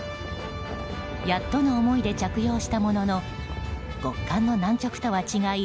やっとの思いで着用したものの極寒の南極とは違い